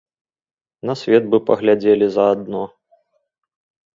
На свет бы паглядзелі заадно?